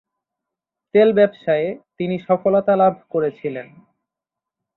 তেল ব্যবসায়ে তিনি সফলতা লাভ করেছিলেন।